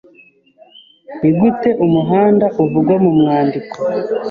Ni gute umuhanda uvugwa mu mwandiko